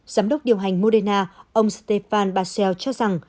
giám đốc điều hành moderna ông stéphane bachel cho rằng